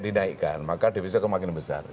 dinaikkan maka devisa kemakin besar